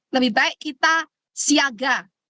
lebih baik kita siaga